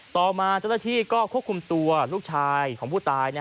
ต่อมาเจ้าหน้าที่ก็ควบคุมตัวลูกชายของผู้ตาย